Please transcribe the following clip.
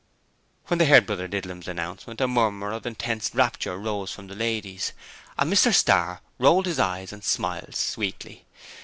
When they heard Brother Didlum's announcement a murmur of intense rapture rose from the ladies, and Mr Starr rolled his eyes and smiled sweetly.